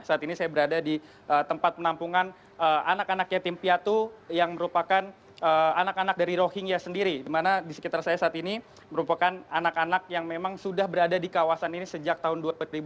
saat ini saya berada di tempat penampungan anak anak yatim piatu yang merupakan anak anak dari rohingya sendiri dimana di sekitar saya saat ini merupakan anak anak yang memang sudah berada di kawasan ini sejak tahun dua ribu lima belas